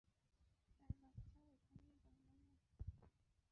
তার বাচ্চাও এখানেই জন্ম নেয়।